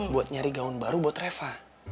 buat nyari gaun baru buat reva